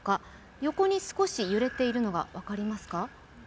横に少し揺れているのが分かりますか。